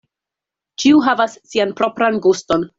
Ĉiu havas sian propran guston.